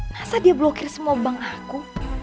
masa dia blokir semua bank aku